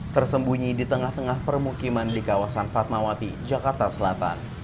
tersembunyi di tengah tengah permukiman di kawasan fatmawati jakarta selatan